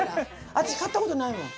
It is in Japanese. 私、買った事ないもん。